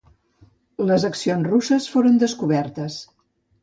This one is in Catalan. Les accions russes foren descobertes.